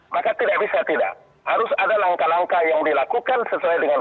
maka tidak bisa tidak harus ada langkah langkah yang dilakukan sesuai dengan